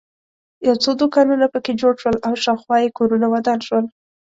یو څو دوکانونه په کې جوړ شول او شاخوا یې کورونه ودان شول.